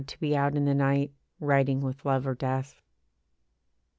to be out in the night, Riding with love or death.